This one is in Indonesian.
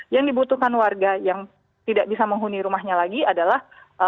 yang dibutuhkan warga yang tidak bisa menghuni rumahnya lagi adalah